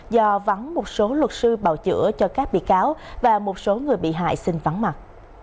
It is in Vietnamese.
do vắng một số luật sư bào chữa cho các bị cáo và một số người bị hại xin vắng mặt